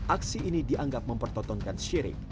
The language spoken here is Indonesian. aksi ini dianggap mempertontonkan syirik